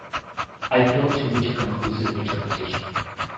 I failed to reach a conclusive interpretation.